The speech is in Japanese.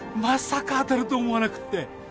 まさか当たると思わなくって。